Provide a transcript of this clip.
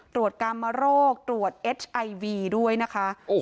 ตรวจกามาโรคตรวจเอฮไอวีด้วยนะคะโอ้โห